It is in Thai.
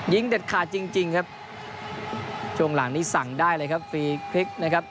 เด็ดขาดจริงจริงครับช่วงหลังนี้สั่งได้เลยครับฟรีคลิกนะครับ